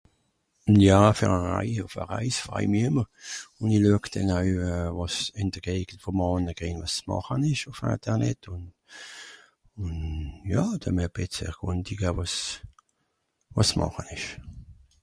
pas comprehensible